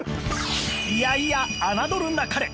いやいやあなどるなかれ！